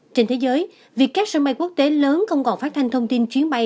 trên thế giới việc các sân bay quốc tế lớn không còn phát thanh thông tin chuyến bay